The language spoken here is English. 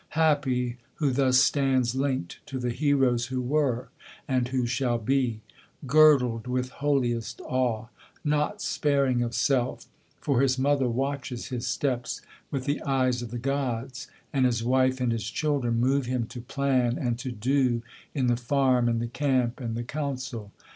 Happy, who thus stands linked to the heroes who were, and who shall be; Girdled with holiest awe, not sparing of self; for his mother Watches his steps with the eyes of the gods; and his wife and his children Move him to plan and to do in the farm and the camp and the council.